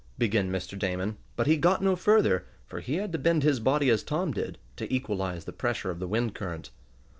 began Mr. Damon, but he got no further, for he had to bend his body as Tom did, to equalize the pressure of the wind current.